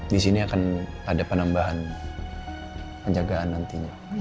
di sini akan ada penambahan penjagaan nantinya